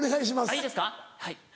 いいですかはい。